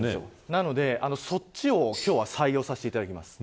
なので、そっちを今日は採用しています。